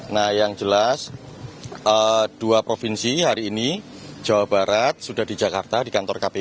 nah yang jelas dua provinsi hari ini jawa barat sudah di jakarta di kantor kpu